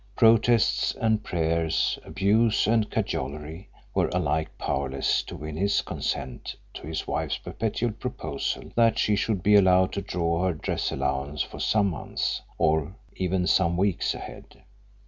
Protests and prayers, abuse and cajolery, were alike powerless to win his consent to his wife's perpetual proposal that she should be allowed to draw her dress allowance for some months, or even some weeks ahead.